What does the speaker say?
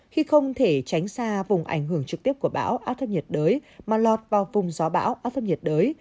khi không thể tránh xa vùng ảnh hưởng trực tiếp của bão áp thấp nhiệt đới mà lọt vào vùng gió bão áp thấp nhiệt đới